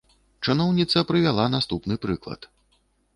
Чыноўніца прывяла наступны прыклад.